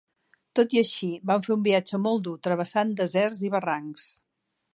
Tot i així, van fer un viatge molt dur travessant deserts i barrancs.